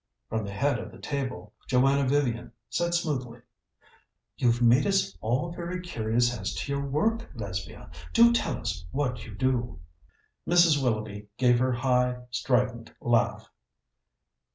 From the head of the table Joanna Vivian said smoothly: "You've made us all very curious as to your work, Lesbia. Do tell us what you do." Mrs. Willoughby gave her high, strident laugh.